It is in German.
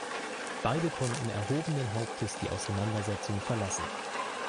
Beide konnten erhobenen Hauptes die Auseinandersetzung verlassen.